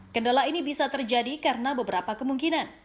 kendala ini bisa terjadi karena beberapa kemungkinan